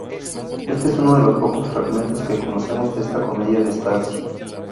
Éste es uno de los pocos fragmentos que conocemos de esta comedia de Estacio.